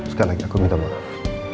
sekali lagi aku minta maaf